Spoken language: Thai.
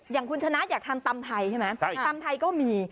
อย่างคุณชนะอยากทานตำไทยใช่ไหมตำไทยก็มี